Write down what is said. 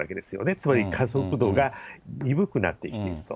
つまり加速度が鈍くなってきていると。